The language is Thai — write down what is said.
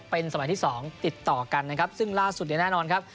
เป็นสมัยที่สองติดต่อกันนะครับซึ่งล่าสุดเนี่ยแน่นอนครับ